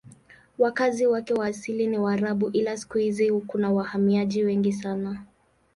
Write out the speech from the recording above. Wakazi wake wa asili ni Waarabu ila siku hizi kuna wahamiaji wengi sana.